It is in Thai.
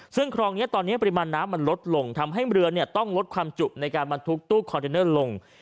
ซึ่งคลองนี้ตอนนี้ปริมาณน้ำมันลดลงทำให้เรือต้องลดความจุในการบรรทุกตู้คอนเทนเนอร์ลง